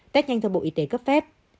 test nhanh do bộ y tế cấp phép